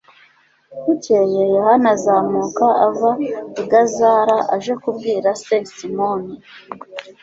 bukeye, yohani azamuka ava i gazara, aje kubwira se, simoni